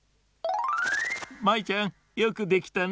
舞ちゃんよくできたね。